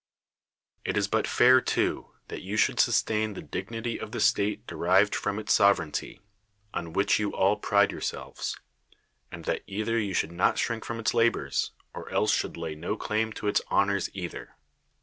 It is bi;t fair, too, that you should sustain the dignity of the state derived from its sovereignty, on which you all pride yourselves; and that either you should not shrink from its labors, or else should lay no claim to its honors either.